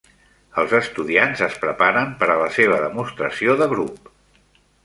Els estudiants es preparen per a la seva demostració de grup.